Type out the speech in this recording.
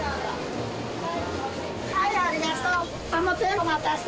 はいありがとう。